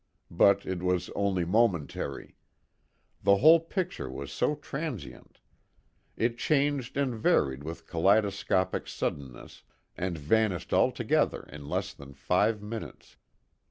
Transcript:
But it was only momentary. The whole picture was so transient. It changed and varied with kaleidoscopic suddenness, and vanished altogether in less than five minutes.